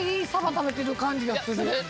食べてる感じがする。